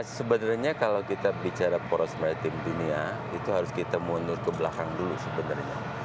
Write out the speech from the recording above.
sebenarnya kalau kita bicara poros maritim dunia itu harus kita mundur ke belakang dulu sebenarnya